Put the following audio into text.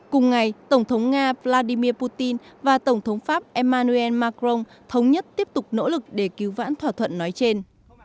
cùng ngày tổng thống nga vladimir putin và tổng thống pháp emmanuel macron thống nhất tiếp tục nỗ lực để cứu vãn thỏa thuận nói trên